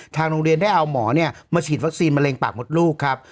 ทางโรงเรียนได้เอาหมอมาฉีดวัคซีนมะเร็งปากมดลูกครับ